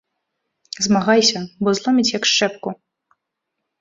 Змагайся, бо зломіць, як шчэпку.